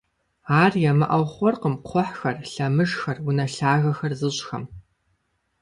Ар ямыӀэу хъуркъым кхъухьхэр, лъэмыжхэр, унэ лъагэхэр зыщӀхэм.